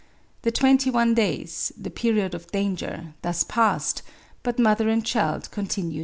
The twenty one days [the period of danger'] thus passed ; but mother and child continued well.